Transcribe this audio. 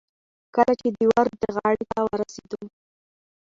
کله چې د ورد غاړې ته ورسېدو.